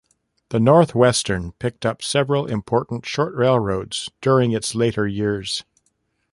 The North Western picked up several important short railroads during its later years.